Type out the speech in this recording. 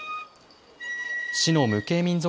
市の無形民俗